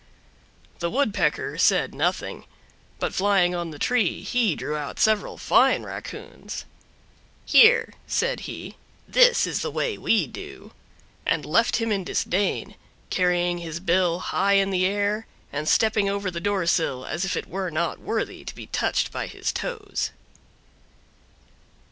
The Woodpecker said nothing, but flying on the tree he drew out several fine raccoons. "Here," said he, "this is the way we do" and left him in disdain, carrying his bill high in the air, and stepping over the doorsill as if it were not worthy to be touched by his toes.